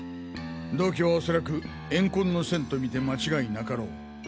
動機はおそらく怨恨のセンとみて間違いなかろう。